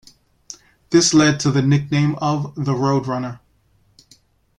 This led to the nickname of the Roadrunner.